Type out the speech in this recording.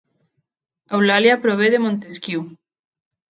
Eulàlia prové de Montesquiu